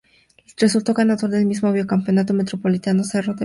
Resultó ganador el mismo vicecampeón metropolitano Cerro Porteño.